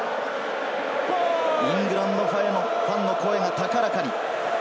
イングランドファンの声が高らかに。